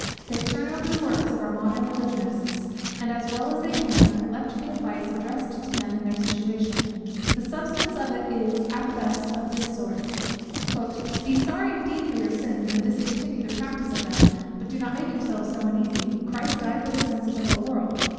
They turn over the works of our modern Religionists, and as well as they can collect the advice addressed to men in their situation: the substance of it is, at the best, of this sort; "Be sorry indeed for your sins, and discontinue the practice of them, but do not make yourselves so uneasy. Christ died for the sins of the whole world.